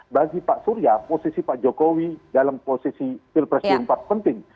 bagi pak surya posisi pak jokowi dalam posisi pilpres dua ribu empat penting